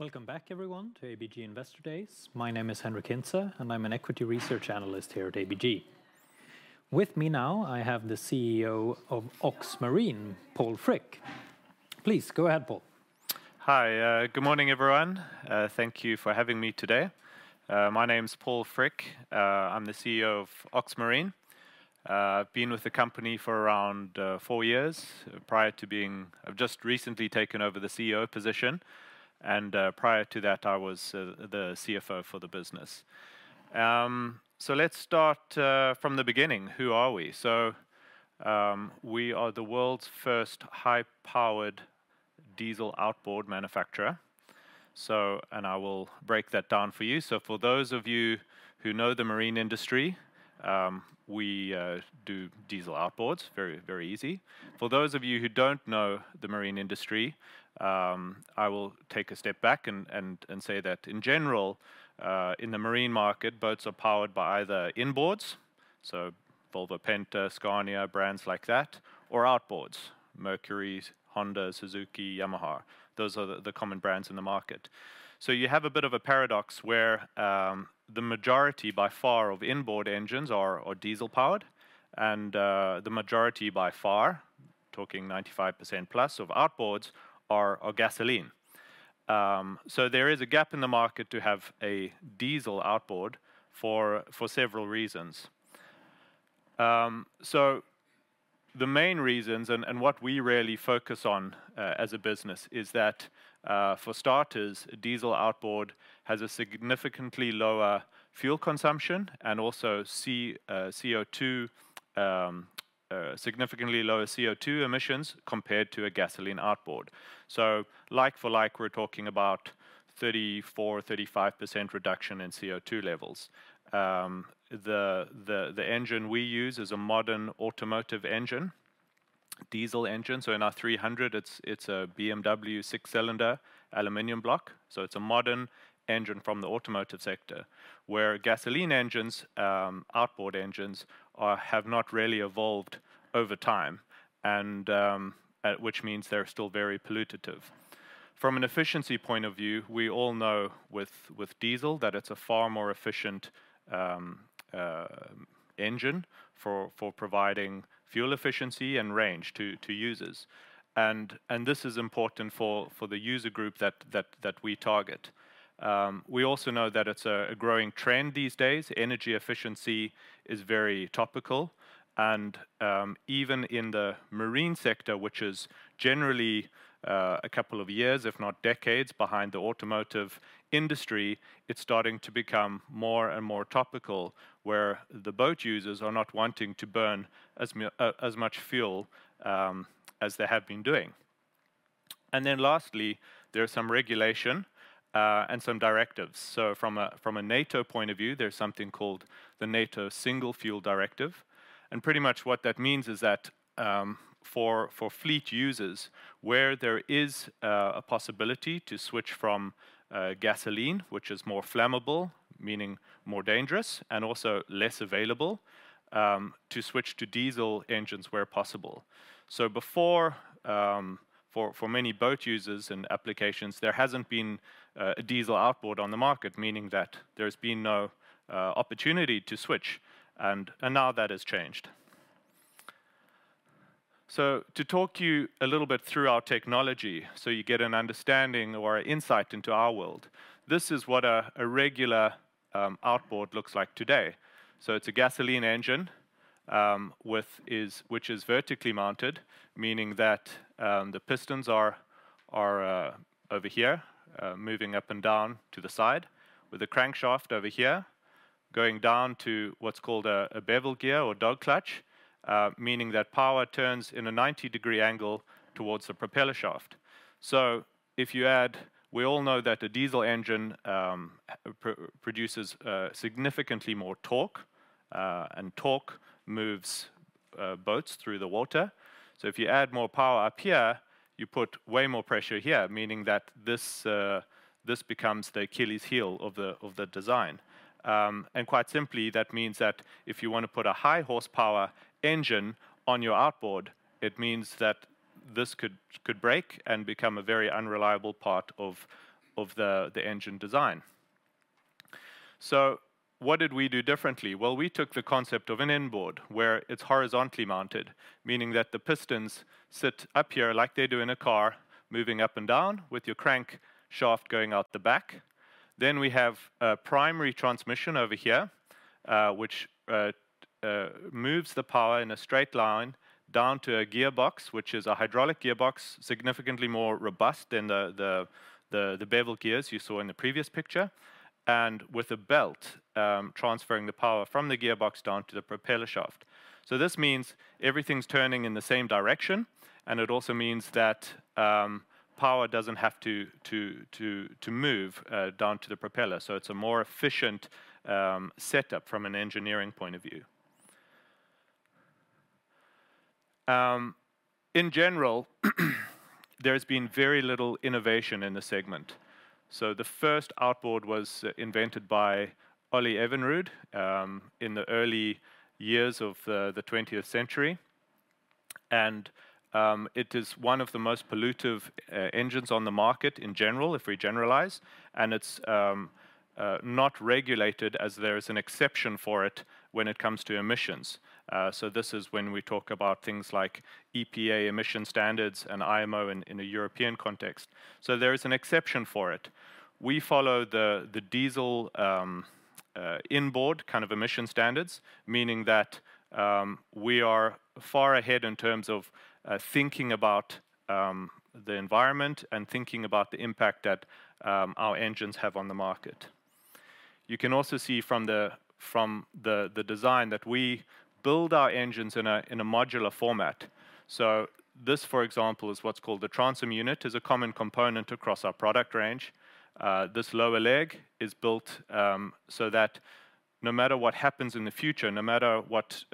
Welcome back, everyone, to ABG Investor Days. My name is Henric Hintze, and I'm an equity research analyst here at ABG. With me now, I have the CEO of OXE Marine, Paul Frick. Please, go ahead, Paul. Hi. Good morning, everyone. Thank you for having me today. My name's Paul Frick. I'm the CEO of OXE Marine. I've been with the company for around four years. I've just recently taken over the CEO position, and prior to that, I was the CFO for the business. So let's start from the beginning. Who are we? So, we are the world's first high-powered diesel outboard manufacturer. So, and I will break that down for you. So for those of you who know the marine industry, we do diesel outboards, very, very easy. For those of you who don't know the marine industry, I will take a step back and say that in general, in the marine market, boats are powered by either inboards, so Volvo Penta, Scania, brands like that, or outboards: Mercury, Honda, Suzuki, Yamaha. Those are the common brands in the market. So you have a bit of a paradox where the majority, by far, of inboard engines are diesel-powered, and the majority by far, talking 95% plus of outboards, are gasoline. So there is a gap in the market to have a diesel outboard for several reasons. So the main reasons, and what we really focus on as a business, is that for starters, diesel outboard has a significantly lower fuel consumption and also significantly lower CO2 emissions compared to a gasoline outboard. So like for like, we're talking about 34%-35% reduction in CO2 levels. The engine we use is a modern automotive engine, diesel engine, so in our 300, it's a BMW six-cylinder aluminum block, so it's a modern engine from the automotive sector. Where gasoline engines, outboard engines, have not really evolved over time, and which means they're still very pollutive. From an efficiency point of view, we all know with diesel that it's a far more efficient engine for providing fuel efficiency and range to users. This is important for the user group that we target. We also know that it's a growing trend these days. Energy efficiency is very topical, and even in the marine sector, which is generally a couple of years, if not decades, behind the automotive industry, it's starting to become more and more topical, where the boat users are not wanting to burn as much fuel as they have been doing. Then lastly, there are some regulation and some directives. So from a NATO point of view, there's something called the NATO single fuel directive, and pretty much what that means is that, for fleet users, where there is a possibility to switch from gasoline, which is more flammable, meaning more dangerous and also less available, to switch to diesel engines where possible. So before, for many boat users and applications, there hasn't been a diesel outboard on the market, meaning that there's been no opportunity to switch, and now that has changed. So to talk you a little bit through our technology, so you get an understanding or insight into our world, this is what a regular outboard looks like today. So it's a gasoline engine, with which is vertically mounted, meaning that, the pistons are over here, moving up and down to the side, with a crankshaft over here, going down to what's called a bevel gear or dog clutch, meaning that power turns in a 90-degree angle towards the propeller shaft. So if you add... We all know that a diesel engine produces significantly more torque, and torque moves boats through the water. So if you add more power up here, you put way more pressure here, meaning that this, this becomes the Achilles heel of the design. Quite simply, that means that if you want to put a high horsepower engine on your outboard, it means that this could break and become a very unreliable part of the engine design. So what did we do differently? Well, we took the concept of an inboard, where it's horizontally mounted, meaning that the pistons sit up here like they do in a car, moving up and down, with your crankshaft going out the back. Then we have a primary transmission over here, which moves the power in a straight line down to a gearbox, which is a hydraulic gearbox, significantly more robust than the bevel gears you saw in the previous picture, and with a belt transferring the power from the gearbox down to the propeller shaft. So this means everything's turning in the same direction, and it also means that power doesn't have to move down to the propeller, so it's a more efficient setup from an engineering point of view. In general, there's been very little innovation in the segment. So the first outboard was invented by Ole Evinrude in the early years of the twentieth century. And it is one of the most polluting engines on the market in general, if we generalize, and it's not regulated as there is an exception for it when it comes to emissions. So this is when we talk about things like EPA emission standards and IMO in a European context. So there is an exception for it. We follow the diesel inboard kind of emission standards, meaning that we are far ahead in terms of thinking about the environment and thinking about the impact that our engines have on the market. You can also see from the design that we build our engines in a modular format. So this, for example, is what's called the transom unit, is a common component across our product range. This lower leg is built so that no matter what happens in the future, no matter what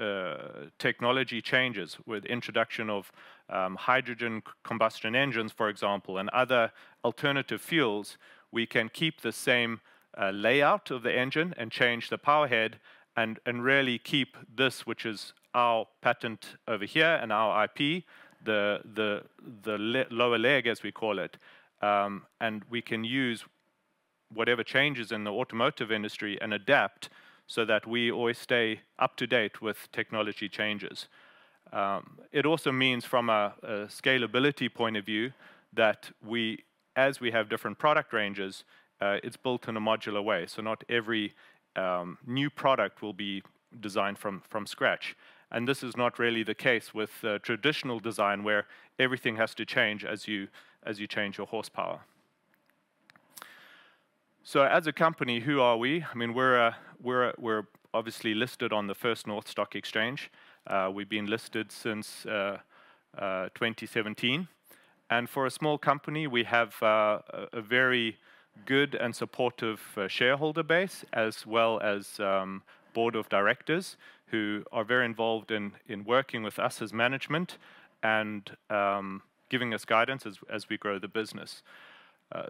technology changes, with introduction of hydrogen combustion engines, for example, and other alternative fuels, we can keep the same layout of the engine and change the power head and really keep this, which is our patent over here and our IP, the lower leg, as we call it. And we can use whatever changes in the automotive industry and adapt so that we always stay up to date with technology changes. It also means from a scalability point of view that we—as we have different product ranges, it's built in a modular way, so not every new product will be designed from scratch. This is not really the case with traditional design, where everything has to change as you change your horsepower. So as a company, who are we? I mean, we're obviously listed on the First North Growth Market. We've been listed since 2017. For a small company, we have a very good and supportive shareholder base, as well as board of directors who are very involved in working with us as management and giving us guidance as we grow the business.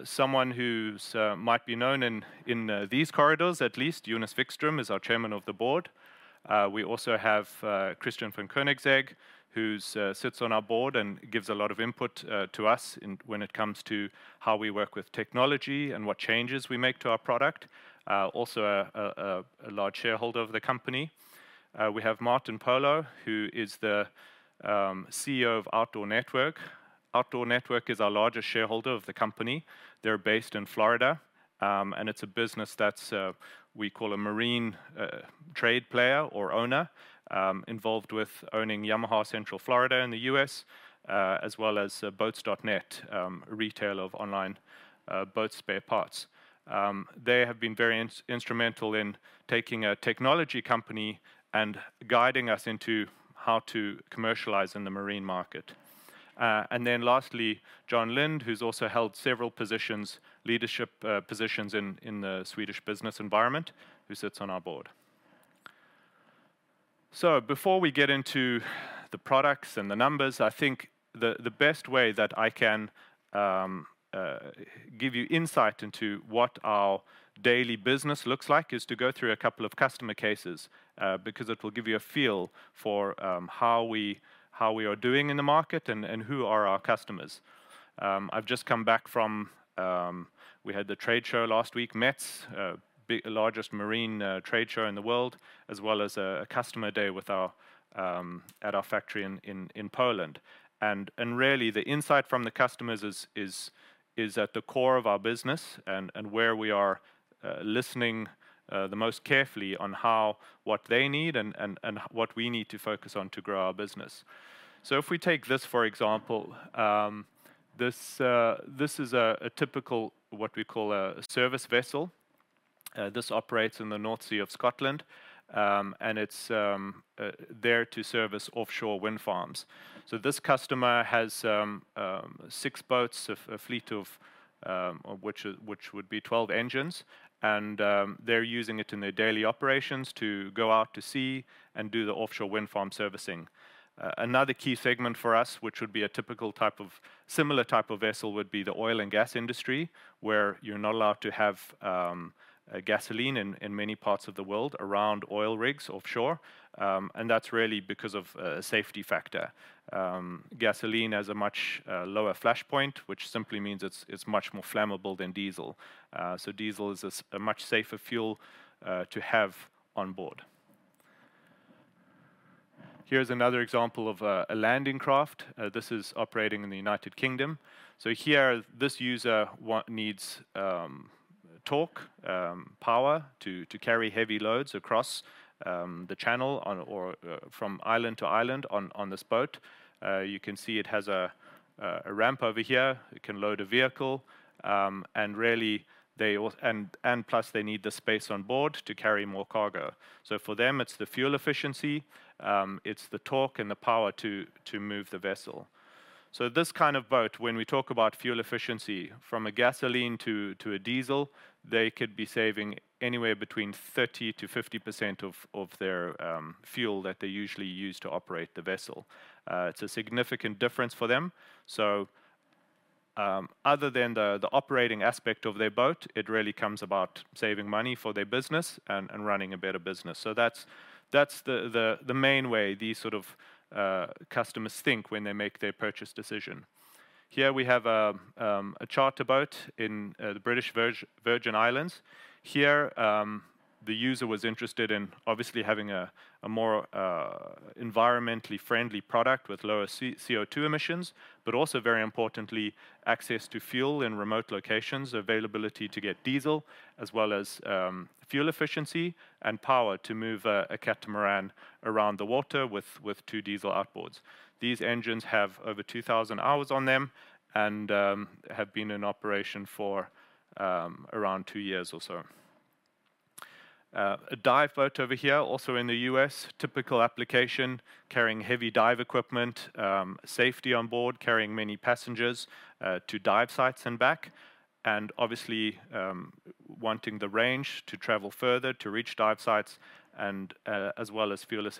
Someone who might be known in these corridors, at least, Jonas Wikström, is our chairman of the board. We also have Christian von Koenigsegg, who sits on our board and gives a lot of input to us when it comes to how we work with technology and what changes we make to our product. Also a large shareholder of the company. We have Martin Polo, who is the CEO of Outdoor Network. Outdoor Network is our largest shareholder of the company. They're based in Florida, and it's a business that's we call a marine trade player or owner, involved with owning Yamaha Central Florida in the U.S., as well as Boats.net, a retailer of online boat spare parts. They have been very instrumental in taking a technology company and guiding us into how to commercialize in the marine market. And then lastly, Jon Lind, who's also held several positions, leadership positions in the Swedish business environment, who sits on our board. Before we get into the products and the numbers, I think the best way that I can give you insight into what our daily business looks like is to go through a couple of customer cases, because it will give you a feel for how we are doing in the market and who are our customers. I've just come back from. We had the trade show last week, METS, largest marine trade show in the world, as well as a customer day with our at our factory in Poland. Really, the insight from the customers is at the core of our business and where we are listening the most carefully on how what they need and what we need to focus on to grow our business. So if we take this, for example, this is a typical what we call a service vessel. This operates in the North Sea of Scotland, and it's there to service offshore wind farms. So this customer has six boats, a fleet of which would be 12 engines, and they're using it in their daily operations to go out to sea and do the offshore wind farm servicing. Another key segment for us, which would be a similar type of vessel, would be the oil and gas industry, where you're not allowed to have gasoline in many parts of the world around oil rigs offshore, and that's really because of a safety factor. Gasoline has a much lower flashpoint, which simply means it's much more flammable than diesel. So diesel is a much safer fuel to have on board. Here's another example of a landing craft. This is operating in the United Kingdom. So here, this user needs torque, power to carry heavy loads across the channel or from island to island on this boat. You can see it has a ramp over here. It can load a vehicle, and really, and plus, they need the space on board to carry more cargo. So for them, it's the fuel efficiency, it's the torque and the power to move the vessel. So this kind of boat, when we talk about fuel efficiency from a gasoline to a diesel, they could be saving anywhere between 30%-50% of their fuel that they usually use to operate the vessel. It's a significant difference for them, so other than the operating aspect of their boat, it really comes about saving money for their business and running a better business. So that's the main way these sort of customers think when they make their purchase decision. Here we have a charter boat in the British Virgin Islands. Here, the user was interested in obviously having a more environmentally friendly product with lower CO2 emissions, but also, very importantly, access to fuel in remote locations, availability to get diesel, as well as fuel efficiency and power to move a catamaran around the water with two diesel outboards. These engines have over 2,000 hours on them and have been in operation for around two years or so. A dive boat over here, also in the U.S., typical application, carrying heavy dive equipment, safety on board, carrying many passengers to dive sites and back, and obviously wanting the range to travel further to reach dive sites and as well as fuel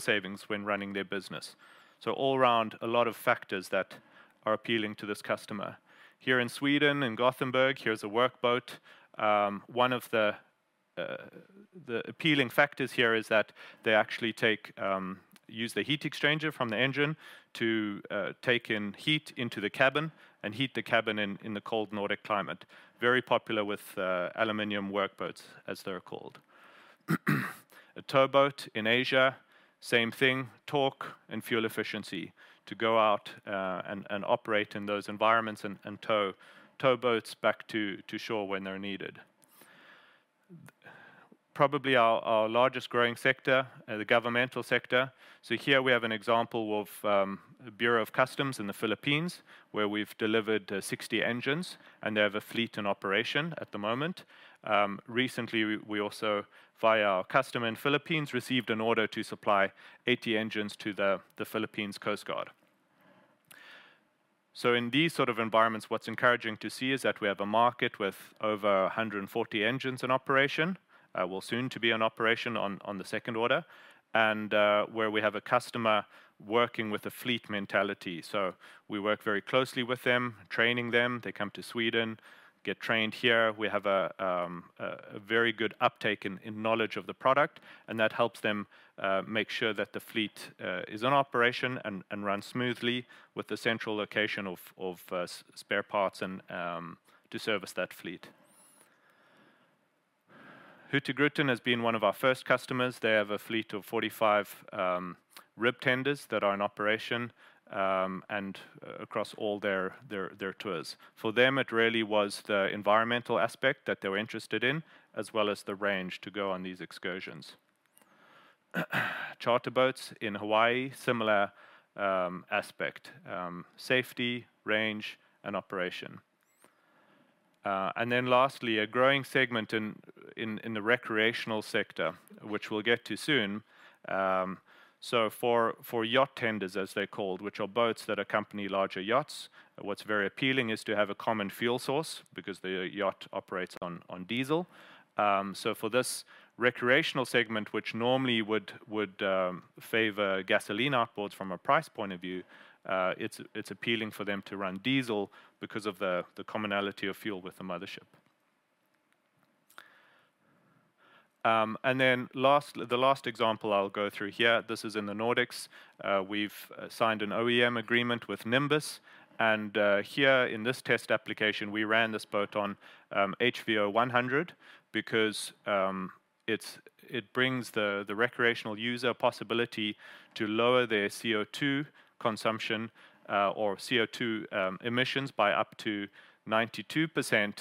savings when running their business. So all around, a lot of factors that are appealing to this customer. Here in Sweden, in Gothenburg, here's a workboat. One of the appealing factors here is that they actually use the heat exchanger from the engine to take in heat into the cabin and heat the cabin in the cold Nordic climate. Very popular with aluminum workboats, as they're called. A towboat in Asia, same thing, torque and fuel efficiency, to go out and operate in those environments and tow boats back to shore when they're needed. Probably our largest growing sector, the governmental sector. So here we have an example of a Bureau of Customs in the Philippines, where we've delivered 60 engines, and they have a fleet in operation at the moment. Recently, we also, via our customer in Philippines, received an order to supply 80 engines to the Philippine Coast Guard. So in these sort of environments, what's encouraging to see is that we have a market with over 140 engines in operation, soon to be in operation on the second order, and where we have a customer working with a fleet mentality. So we work very closely with them, training them. They come to Sweden, get trained here. We have a very good uptake in knowledge of the product, and that helps them make sure that the fleet is in operation and runs smoothly with the central location of spare parts and to service that fleet. Hurtigruten has been one of our first customers. They have a fleet of 45 RIB tenders that are in operation and across all their tours. For them, it really was the environmental aspect that they were interested in, as well as the range to go on these excursions. Charter boats in Hawaii, similar aspect: safety, range, and operation. Then lastly, a growing segment in the recreational sector, which we'll get to soon. So for yacht tenders, as they're called, which are boats that accompany larger yachts, what's very appealing is to have a common fuel source because the yacht operates on diesel. So for this recreational segment, which normally would favor gasoline outboards from a price point of view, it's appealing for them to run diesel because of the commonality of fuel with the mothership. And then the last example I'll go through here, this is in the Nordics. We've signed an OEM agreement with Nimbus, and here in this test application, we ran this boat on HVO100 because it brings the recreational user a possibility to lower their CO2 consumption or CO2 emissions by up to 92%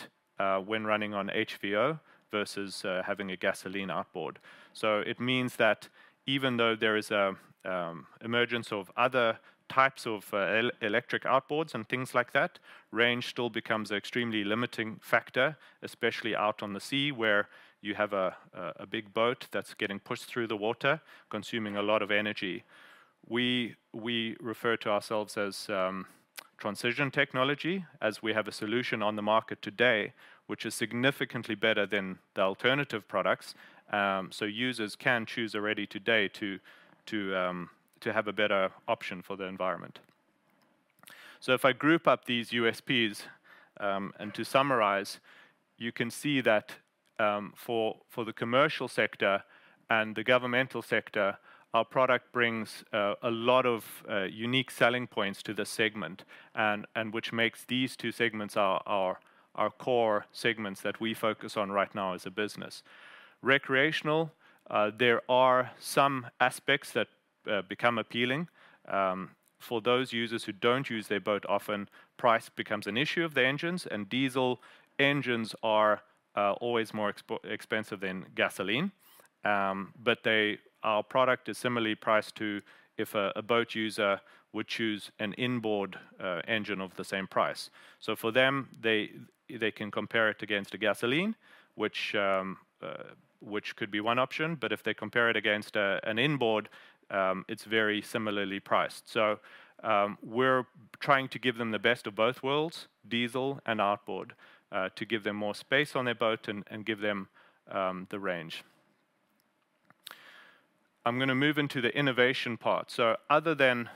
when running on HVO versus having a gasoline outboard. So it means that even though there is an emergence of other types of electric outboards and things like that, range still becomes an extremely limiting factor, especially out on the sea, where you have a big boat that's getting pushed through the water, consuming a lot of energy. We refer to ourselves as transition technology, as we have a solution on the market today, which is significantly better than the alternative products. So users can choose already today to have a better option for the environment. So if I group up these USPs, and to summarize, you can see that, for the commercial sector and the governmental sector, our product brings a lot of unique selling points to the segment and which makes these two segments our core segments that we focus on right now as a business. Recreational, there are some aspects that become appealing. For those users who don't use their boat often, price becomes an issue of the engines, and diesel engines are always more expensive than gasoline. But they, our product is similarly priced to if a boat user would choose an inboard engine of the same price. So for them, they can compare it against a gasoline, which could be one option, but if they compare it against an inboard, it's very similarly priced. So, we're trying to give them the best of both worlds, diesel and outboard, to give them more space on their boat and give them the range... I'm gonna move into the innovation part. So other than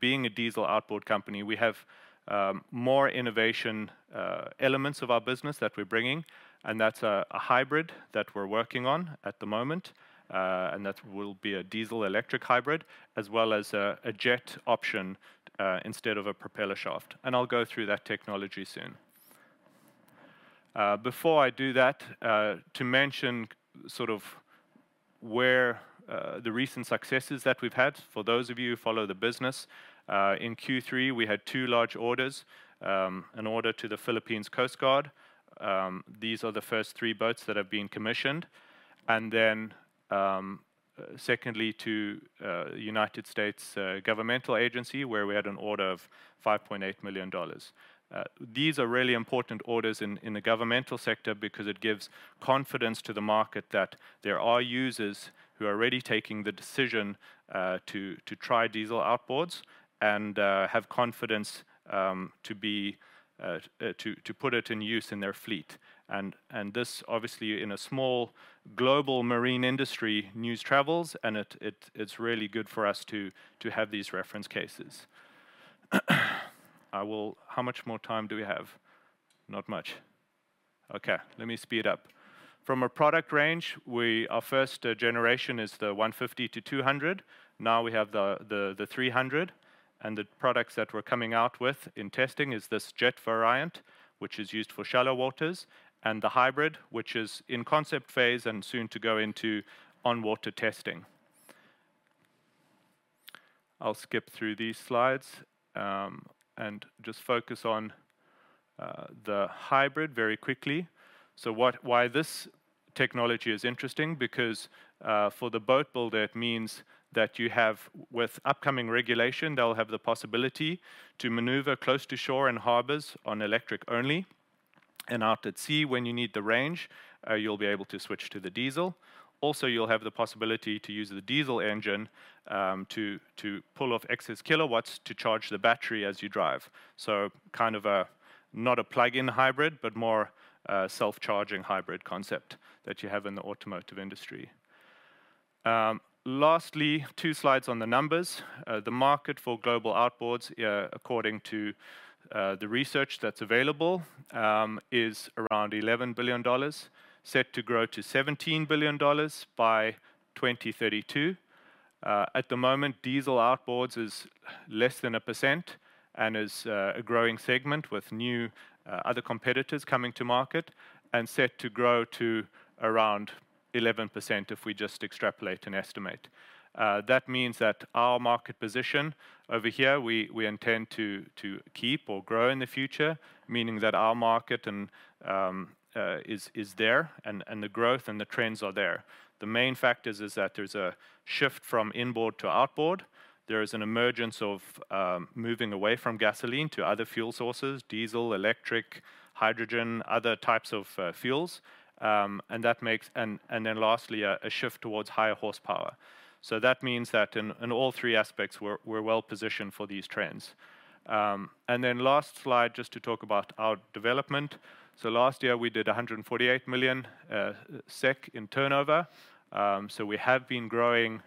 being a diesel outboard company, we have more innovation elements of our business that we're bringing, and that's a hybrid that we're working on at the moment. That will be a diesel-electric hybrid, as well as a jet option, instead of a propeller shaft, and I'll go through that technology soon. Before I do that, to mention sort of where the recent successes that we've had, for those of you who follow the business, in Q3, we had two large orders, an order to the Philippine Coast Guard. These are the first three boats that have been commissioned. Then, secondly, to a United States governmental agency, where we had an order of $5.8 million. These are really important orders in the governmental sector because it gives confidence to the market that there are users who are already taking the decision to try diesel outboards and have confidence to put it in use in their fleet. And this, obviously, in a small global marine industry, news travels, and it is really good for us to have these reference cases. I will... How much more time do we have? Not much. Okay, let me speed up. From a product range, we—our first generation is the 150 to 200. Now, we have the 300, and the products that we're coming out with in testing is this jet variant, which is used for shallow waters, and the hybrid, which is in concept phase and soon to go into on-water testing. I'll skip through these slides, and just focus on the hybrid very quickly. Why this technology is interesting because, for the boat builder, it means that you have, with upcoming regulation, they'll have the possibility to maneuver close to shore and harbors on electric only, and out at sea, when you need the range, you'll be able to switch to the diesel. Also, you'll have the possibility to use the diesel engine, to pull off excess kilowatts to charge the battery as you drive. So kind of a, not a plug-in hybrid, but more a self-charging hybrid concept that you have in the automotive industry. Lastly, two slides on the numbers. The market for global outboards, according to the research that's available, is around $11 billion, set to grow to $17 billion by 2032. At the moment, diesel outboards is less than 1% and is a growing segment with new other competitors coming to market and set to grow to around 11% if we just extrapolate and estimate. That means that our market position over here, we intend to keep or grow in the future, meaning that our market and is there, and the growth and the trends are there. The main factors is that there's a shift from inboard to outboard. There is an emergence of moving away from gasoline to other fuel sources, diesel, electric, hydrogen, other types of fuels, and that makes-and then lastly, a shift towards higher horsepower. So that means that in all three aspects, we're well positioned for these trends. And then last slide, just to talk about our development. So last year, we did 148 million SEK in turnover. So we have been growing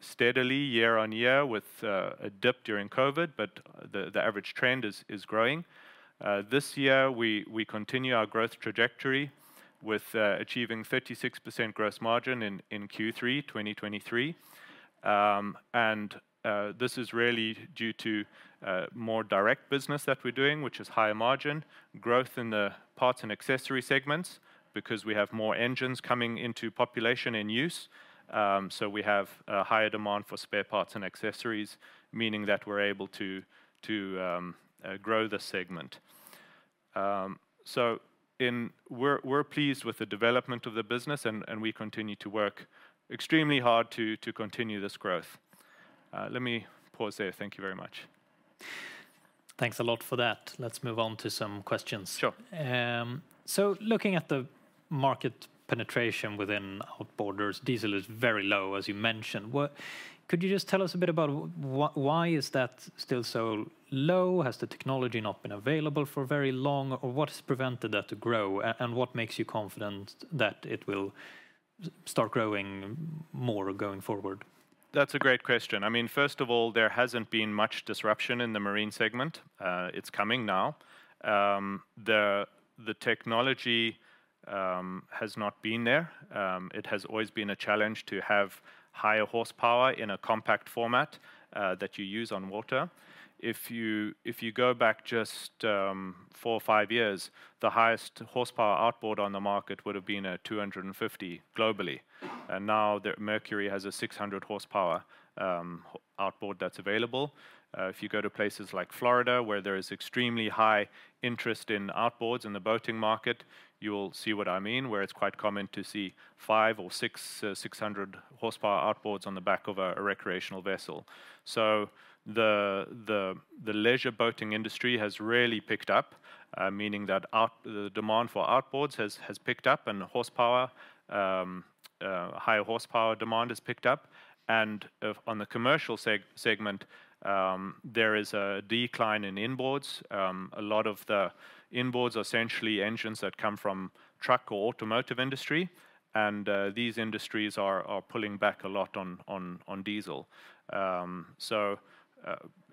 steadily year-on-year with a dip during COVID, but the average trend is growing. This year, we continue our growth trajectory with achieving 36% gross margin in Q3 2023. And this is really due to more direct business that we're doing, which is higher margin, growth in the parts and accessory segments because we have more engines coming into population and use. So we have a higher demand for spare parts and accessories, meaning that we're able to grow the segment. We're pleased with the development of the business, and we continue to work extremely hard to continue this growth. Let me pause there. Thank you very much. Thanks a lot for that. Let's move on to some questions. Sure. So looking at the market penetration within outboards, diesel is very low, as you mentioned. What could you just tell us a bit about why is that still so low? Has the technology not been available for very long, or what has prevented that to grow, and what makes you confident that it will start growing more going forward? That's a great question. I mean, first of all, there hasn't been much disruption in the marine segment. It's coming now. The technology has not been there. It has always been a challenge to have higher horsepower in a compact format that you use on water. If you go back just four or five years, the highest horsepower outboard on the market would have been a 250 globally, and now the Mercury has a 600-horsepower outboard that's available. If you go to places like Florida, where there is extremely high interest in outboards in the boating market, you will see what I mean, where it's quite common to see five or six 600-horsepower outboards on the back of a recreational vessel. So the leisure boating industry has really picked up, meaning that the demand for outboards has picked up, and the higher horsepower demand has picked up. On the commercial segment, there is a decline in inboards. A lot of the inboards are essentially engines that come from truck or automotive industry, and these industries are pulling back a lot on diesel. So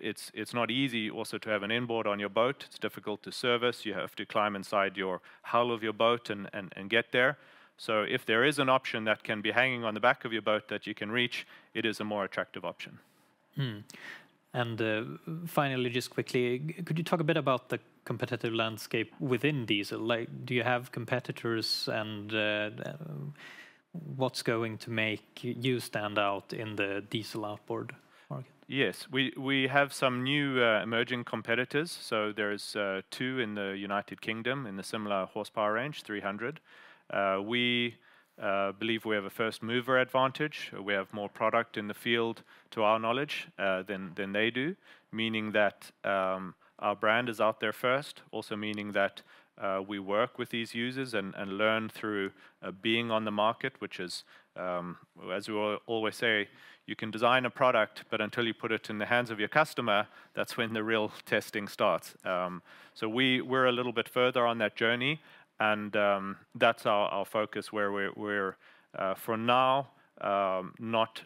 it's not easy also to have an inboard on your boat. It's difficult to service. You have to climb inside your hull of your boat and get there. So if there is an option that can be hanging on the back of your boat that you can reach, it is a more attractive option. Finally, just quickly, could you talk a bit about the competitive landscape within diesel? Like, do you have competitors, and what's going to make you stand out in the diesel outboard market? Yes. We have some new emerging competitors, so there's two in the United Kingdom in a similar horsepower range, 300. We believe we have a first-mover advantage. We have more product in the field, to our knowledge, than they do, meaning that our brand is out there first, also meaning that we work with these users and learn through being on the market, which is, as we always say, you can design a product, but until you put it in the hands of your customer, that's when the real testing starts. So we're a little bit further on that journey, and that's our focus, where we're for now not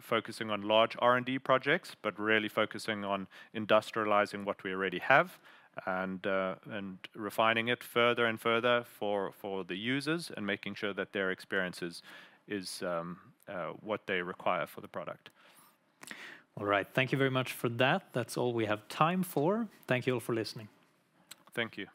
focusing on large R&D projects, but really focusing on industrializing what we already have and refining it further and further for the users and making sure that their experience is what they require for the product. All right. Thank you very much for that. That's all we have time for. Thank you all for listening. Thank you.